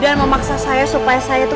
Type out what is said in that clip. dia memaksa saya supaya saya tuh